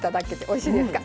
おいしいですか？